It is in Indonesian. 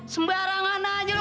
sembarangan aja lo